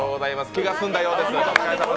気が済んだようです。